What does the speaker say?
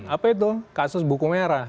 apa itu kasus buku merah